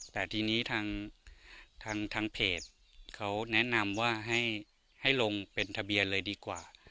แต่ทีนี้ทางเพจเขาแนะนำว่าให้ลงเป็นทะเบียนเลยดีกว่า